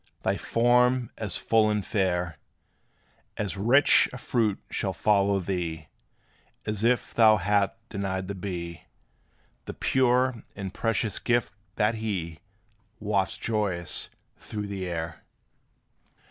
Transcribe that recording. Thy form as full and fair As rich a fruit shall follow thee, As if thou hadst denied the bee The pure and precious gift, that he Wafts joyous through the air.